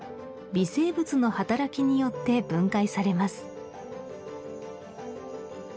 微生物の働きによって分解されます